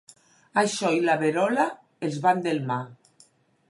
Això i la verola els van delmar.